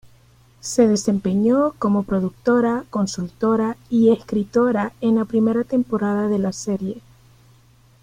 Se desempeñó como productora consultora y escritora en la primera temporada de la serie.